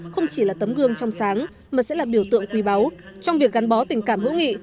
không chỉ là tấm gương trong sáng mà sẽ là biểu tượng quý báu trong việc gắn bó tình cảm hữu nghị